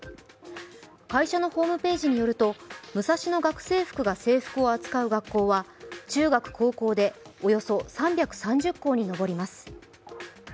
会社のホームページによるとムサシノ学生服が制服を扱う学校は中学・高校でおよそ３３０校に上ります。